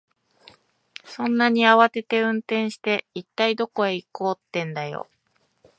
そんなに慌てて運転して、一体どこへ行こうってんだよ。